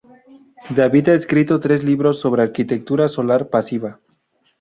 David ha escrito tres libros sobre arquitectura solar pasiva.